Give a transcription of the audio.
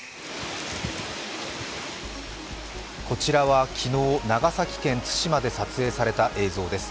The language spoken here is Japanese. こちらは昨日、長崎県対馬で撮影された映像です。